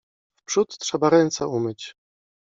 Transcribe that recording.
Wprzód trzeba ręce umyć.